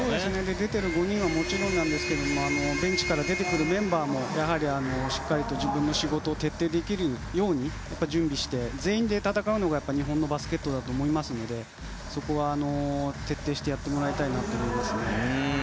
出ている５人はもちろんなんですけどベンチから出てくるメンバーもやはりしっかりと自分の仕事を徹底できるように準備して、全員で戦うのが日本のバスケットだと思いますのでそこは徹底してやってもらいたいと思います。